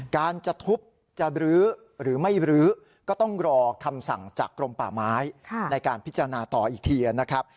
การจะทุบจะบรื้อหรือไม่รื้อก็ต้องรอคำสั่งจากกรมป่าไม้ในการพิจารณาต่ออีกทีนะครับ